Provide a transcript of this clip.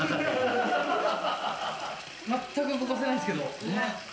全く動かせないんですけど。